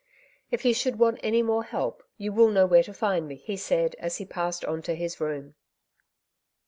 '*'* If you should want any more help, you will know where to find me," he said, as he passed on to his room.